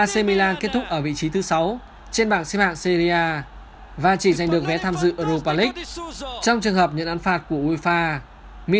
xin kính chào và hẹn gặp lại